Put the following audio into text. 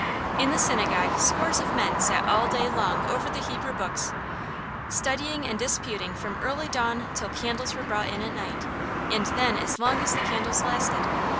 In the synagogue scores of men sat all day long over the Hebrew books, studying and disputing from early dawn till candles were brought in at night, and then as long as the candles lasted.